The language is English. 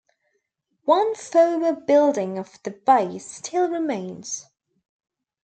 One former building of the base still remains.